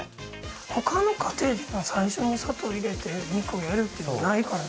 他の家庭では最初に砂糖入れて肉をやるってのはないからね。